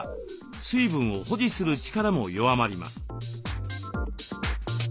水分を保持する力も弱まります。